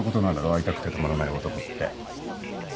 会いたくてたまらない男って。